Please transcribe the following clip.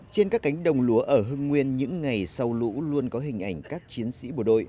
trên các cánh đồng lúa ở hưng nguyên những ngày sau lũ luôn có hình ảnh các chiến sĩ bộ đội